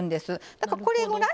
だからこれぐらい。